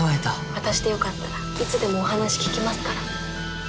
私でよかったらいつでもお話聞きますから。